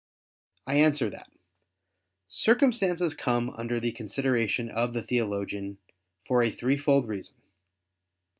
I answer that, Circumstances come under the consideration of the theologian, for a threefold reason.